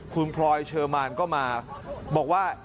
คุณพลอยเชอร์มานก็มาบอกว่า